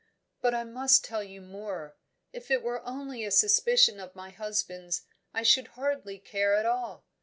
"But I must tell you more. If it were only a suspicion of my husband's I should hardly care at all.